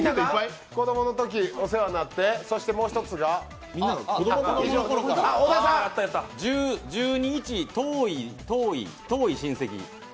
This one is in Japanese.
子供のときお世話になってそしてもう一つは１０に１、とおい、遠い親戚？